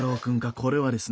これはですね